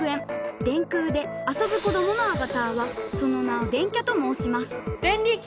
電空で遊ぶこどものアバターはその名を「電キャ」ともうしますデンリキ！